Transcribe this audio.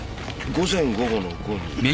午前午後の午に。